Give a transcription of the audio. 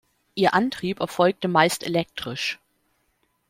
Ihr Antrieb erfolgte meist elektrisch.